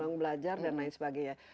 mengbelajar dan lain sebagainya